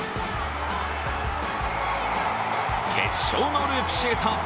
決勝のループシュート。